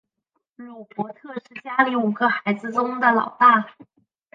鲁伯特是家里五个孩子中的老大。